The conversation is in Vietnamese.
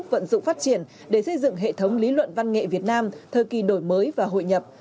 vận dụng phát triển để xây dựng hệ thống lý luận văn nghệ việt nam thời kỳ đổi mới và hội nhập